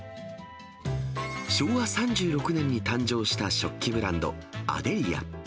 昭和３６年に誕生した食器ブランド、アデリア。